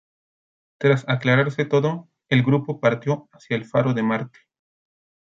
Tras aclararse todo, el grupo parte hacia el Faro de Marte.